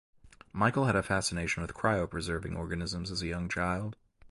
Michael had a fascination with cryopreserving organisms as a young child.